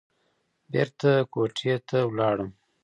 بېرته کوټې ته لاړم.